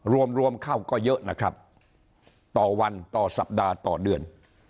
รวมรวมเข้าก็เยอะนะครับต่อวันต่อสัปดาห์ต่อเดือน